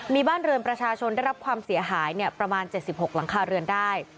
มีบ้านเรือนประชาชนได้รับความเสียหายเนี่ยประมาณเจ็ดสิบหกหลังคาเรือนได้